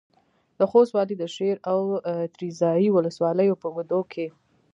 د خوست والي د شېر او تریزایي ولسوالیو په اوږدو کې